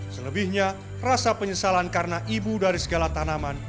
selebihnya rasa penyesalan karena ibu dari segala tanaman